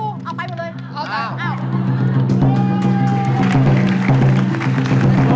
โอ้โฮ